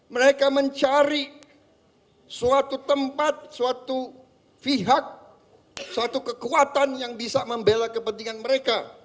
mereka mencari suatu tempat suatu pihak suatu kekuatan yang bisa membela kepentingan mereka